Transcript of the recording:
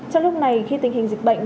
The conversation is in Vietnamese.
trong lúc này khi tình hình dịch bệnh